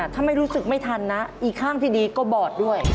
ถ้าไม่รู้สึกไม่ทันนะอีกข้างที่ดีก็บอดด้วย